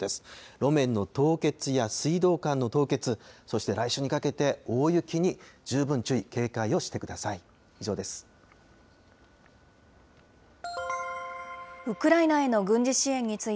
路面の凍結や水道管の凍結、そして来週にかけて、大雪に十分注意、警戒をしてください。